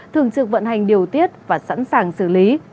thường trực vận hành điều tiết và sẵn sàng xử lý